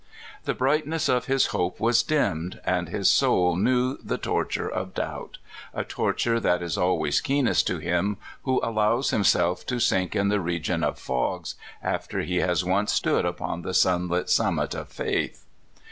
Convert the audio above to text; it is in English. The brightness of his hope was dimmed, and his soul knew the torture of doubt a torture that is always keenest to him who allows himself to sink in the region of fogs after he has once stood upon the sunlit summit of faith.